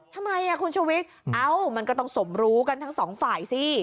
ทำไมคุณชุวิตเอ้ามันก็ต้องสมรู้กันทั้งสองฝ่ายสิ